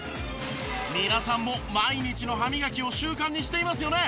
皆さんも毎日の歯磨きを習慣にしていますよね。